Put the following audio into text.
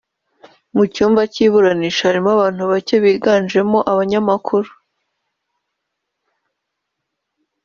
Mu cyumba cy’iburanisha harimo abantu bake biganjemo abanyamakuru